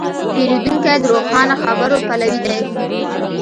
پیرودونکی د روښانه خبرو پلوی دی.